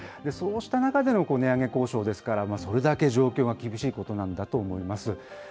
そうした中での値上げ交渉ですから、それだけ状況が厳しいことなんだと思います。